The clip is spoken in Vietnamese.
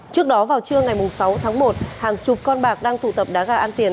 trước đó vào trưa ngày sáu tháng một hàng chục con bạc đang tụ tập đá gà ăn tiền